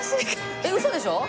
えっウソでしょ？